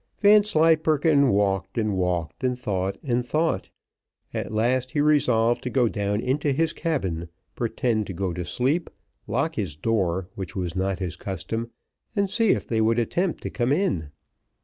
Vanslyperken walked and walked, and thought and thought; at last he resolved to go down into his cabin, pretend to go to bed, lock his door, which was not his custom, and see if they would attempt to come in.